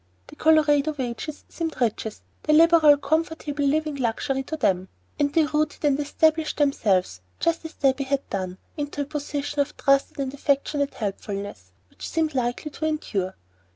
The Colorado wages seemed riches, the liberal comfortable living luxury to them, and they rooted and established themselves, just as Debby had done, into a position of trusted and affectionate helpfulness, which seemed likely to endure.